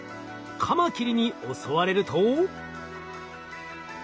カマキリに襲われると。